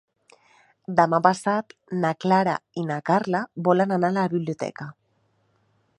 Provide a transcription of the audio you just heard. Demà passat na Clara i na Carla volen anar a la biblioteca.